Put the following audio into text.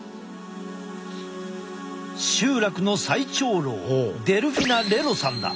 集落の最長老デルフィナ・レロさんだ。